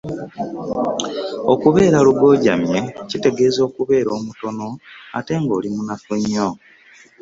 Okubeera lugoojamye kitegeeza okubeera omutono ate ng’oli munafu nnyo.